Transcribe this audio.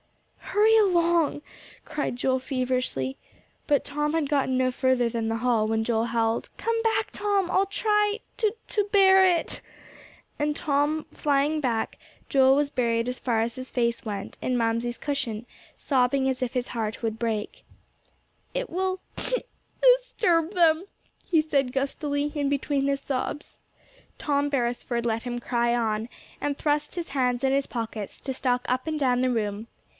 "Hurry along," cried Joel feverishly. But Tom had gotten no further than the hall, when Joel howled, "Come back, Tom, I'll try to to bear it." And Tom flying back, Joel was buried as far as his face went, in Mamsie's cushion, sobbing as if his heart would break. "It will disturb them," he said gustily, in between his sobs. Tom Beresford let him cry on, and thrust his hands in his pockets, to stalk up and down the room.